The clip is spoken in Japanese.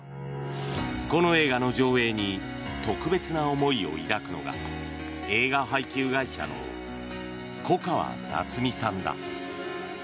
この映画の上映に特別な思いを抱くのが映画配給会社の粉川なつみさんだ。